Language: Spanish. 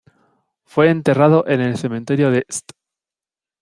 Fue enterrado en el cementerio de St.